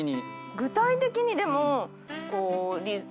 具体的にでも。